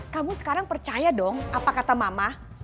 kamu sekarang percaya dong apa kata mama